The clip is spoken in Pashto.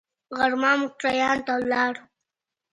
غرمه ميکرويانو ته ولاړو.